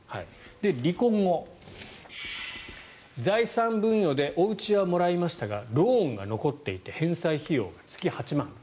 離婚後、財産分与でおうちはもらいましたがローンが残っていて返済費用が月８万円。